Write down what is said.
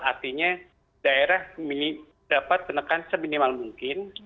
artinya daerah dapat menekan seminimal mungkin